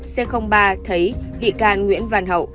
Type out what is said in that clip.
c ba thấy bị can nguyễn văn hậu